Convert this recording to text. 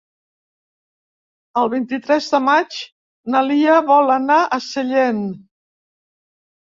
El vint-i-tres de maig na Lia vol anar a Sellent.